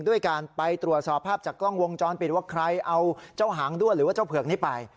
ด้วยการไปตรวจสอบภาพจากกล้องวงจรปิดว่าใครเอาเจ้าหางด้วนหรือว่าเจ้าเผือกนี้ไป